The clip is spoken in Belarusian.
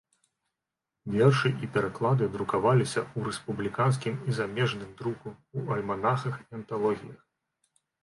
Вершы і пераклады друкаваліся ў рэспубліканскім і замежным друку, у альманахах і анталогіях.